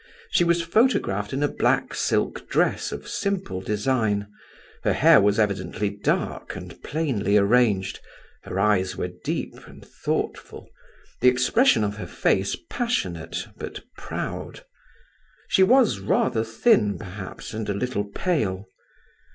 She was photographed in a black silk dress of simple design, her hair was evidently dark and plainly arranged, her eyes were deep and thoughtful, the expression of her face passionate, but proud. She was rather thin, perhaps, and a little pale.